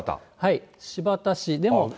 新発田市でも。